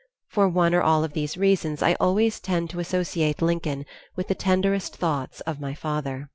For one or all of these reasons I always tend to associate Lincoln with the tenderest thoughts of my father.